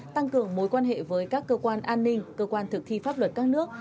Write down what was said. tăng cường mối quan hệ với các cơ quan an ninh cơ quan thực thi pháp luật các nước